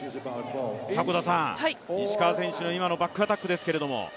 迫田さん、石川選手の今のバックアタックですけれども。